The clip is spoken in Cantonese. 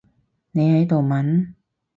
你喺度問？